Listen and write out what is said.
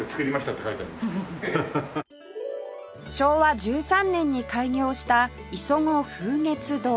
昭和１３年に開業した磯子風月堂